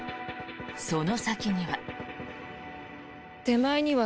その先には。